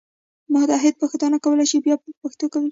متحد پښتانه کولی شي پښتو بیا قوي کړي.